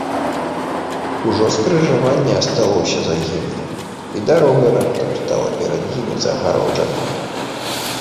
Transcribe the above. Ужо скрыжаванне асталося за імі, і дарога раптам стала перад імі загароджана.